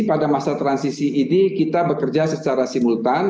pada masa transisi ini kita bekerja secara simultan